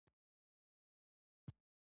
د قانون له مخې جذامي د میراث حق نه درلود.